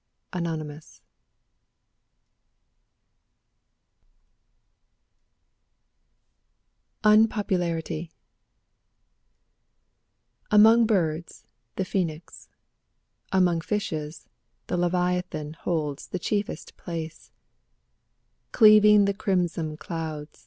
Anon 1 1 UNPOPULARITY Among birds the phoenix, among fishes the leviathan holds the chiefest place; Cleaving the crimson clouds.